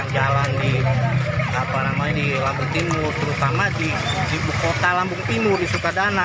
jalan di lampung timur terutama di ibu kota lambung timur di sukadana